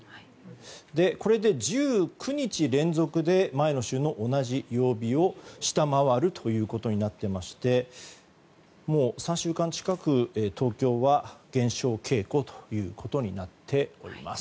これで１９日連続で前の週の同じ曜日を下回ることになっていましてもう３週間近く東京は減少傾向ということになっております。